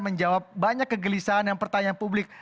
menjawab banyak kegelisahan dan pertanyaan publik